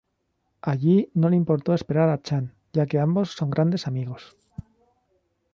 A Yee no le importó esperar a Chan, ya que ambos son grandes amigos.